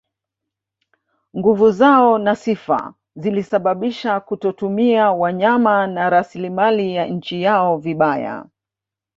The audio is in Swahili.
Nguvu zao na sifa zilisababisha kutotumia wanyama na rasilimali ya nchi yao vibaya